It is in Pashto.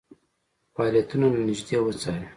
فعالیتونه له نیژدې وڅاري.